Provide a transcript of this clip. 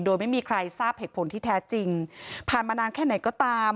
โดยไม่มีใครทราบเหตุผลที่แท้จริงผ่านมานานแค่ไหนก็ตาม